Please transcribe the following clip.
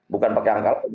bukan pakai angka lain